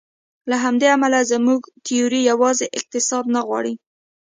له همدې امله زموږ تیوري یوازې اقتصاد نه نغاړي.